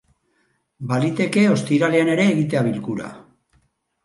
Baliteke ostiralean ere egitea bilkura.